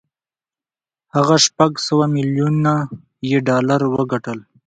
هغه شپږ سوه ميليون يې ډالر وګټل.